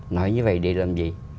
nói như vậy để làm gì